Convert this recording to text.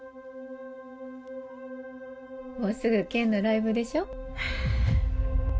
もうすぐケンのライブでしょ。